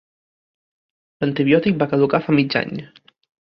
L'antibiòtic va caducar fa mig any.